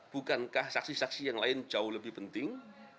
bukankah saksi saksi yang lain jauh lebih penting